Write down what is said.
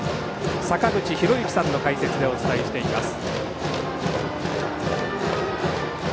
坂口裕之さんの解説でお伝えしています。